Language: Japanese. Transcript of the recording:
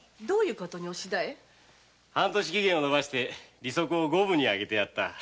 半年期限を延ばして利息を五分に上げてやった。